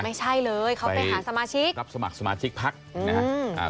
ไม่ใช่เลยเขาไปหาสมาชิกรับสมัครสมาชิกพักอืมนะฮะอืมอ่า